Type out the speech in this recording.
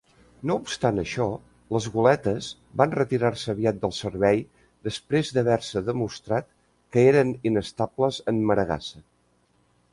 No obstant això, les goletes van retirar-se aviat del servei després d'haver-se demostrat que eren inestables en maregassa.